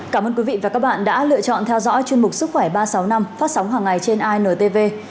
cảm ơn quý vị và các bạn đã lựa chọn theo dõi chuyên mục sức khỏe ba trăm sáu mươi năm phát sóng hàng ngày trên intv